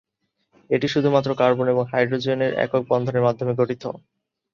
এটি শুধু মাত্র কার্বন এবং হাইড্রোজেন এর একক বন্ধনের মাধ্যমে গঠিত।